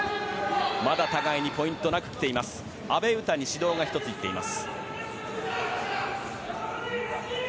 まだ、互いにポイントなく来ていますが阿部詩に指導が１つあります。